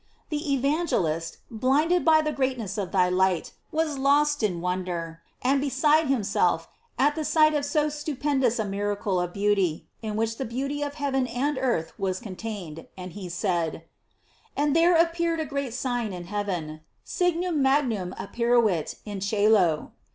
The Evan gelist, blinded by the greatness of thy light, 788 GLORIES OP MARY. was lost in wonder, and beside himself at tht sight of so stupendous a miracle of beauty, in which the beauty of heaven and earth was con tained, and he said : And there appeared a great sign in heaven: "Signum magnum apparuit in ccelo."